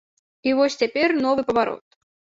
І вось цяпер новы паварот.